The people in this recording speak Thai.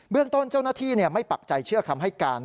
เรื่องต้นเจ้าหน้าที่ไม่ปักใจเชื่อคำให้การ